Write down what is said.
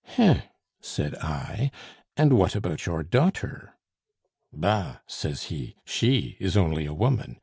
'Heh!' said I, 'and what about your daughter?' 'Bah!' says he, 'she is only a woman!